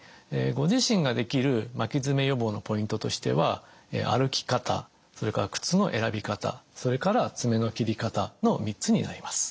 ご自身ができる巻き爪予防のポイントとしては歩き方それから靴の選び方それから爪の切り方の３つになります。